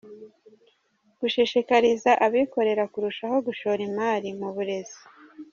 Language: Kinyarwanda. Gushishikariza abikorera kurushaho gushora imari mu burezi.